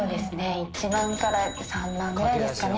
１万から３万ぐらいですかね